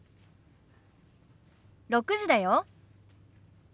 ６時だよ。